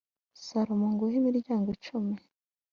Salomo nguhe imiryango cumi